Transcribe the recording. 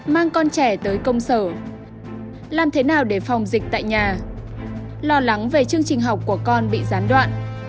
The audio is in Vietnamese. mang con trẻ tới công sở làm thế nào để phòng dịch tại nhà lo lắng về chương trình học của con bị gián đoạn